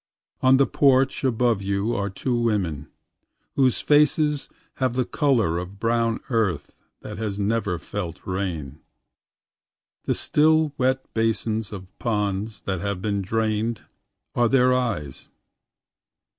…On the porch above you are two women, Whose faces have the color of brown earth that has never felt rain. The still wet basins of ponds that have been drainedAre their eyes.